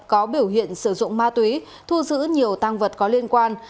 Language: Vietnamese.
có biểu hiện sử dụng ma túy thu giữ nhiều tăng vật có liên quan